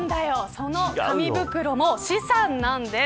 その紙袋も資産なんです。